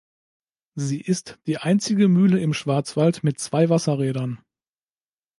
Sie ist die einzige Mühle im Schwarzwald mit zwei Wasserrädern.